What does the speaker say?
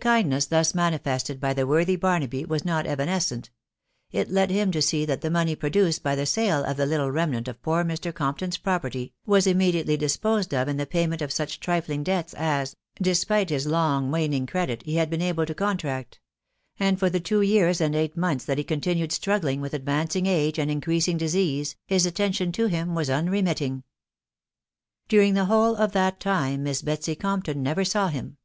kindness thus manifested by the worthy Barnaby not evanescent ; it led him to see that, the money produced by the sale of the little remnant of poor Mr. Com pton's property,, was immediately disposed of in the payment of such trifling debts as, despite his long waning: credit* he had been, able, to contract; and for the two years and; eight months that. hei continued: struggling with advancing age and: increasing dis ease, his attention to him was unremitting. During the whole of that time Miss Betsy Compton never saw him.